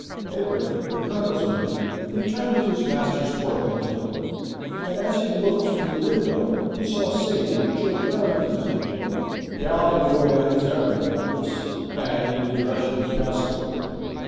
Edwin, the Colonel's man, returned with his master's portmanteau, and as he looked from the window, he saw Sady, George Warrington's negro, galloping away upon his errand, doubtless, and in the direction of Castlewood.